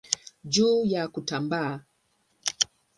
juu ya kitambaa.